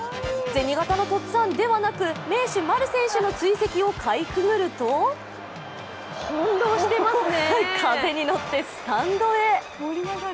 銭形のとっつぁんではなく、名手・丸選手の追跡をかいくぐると風に乗ってスタンドへ。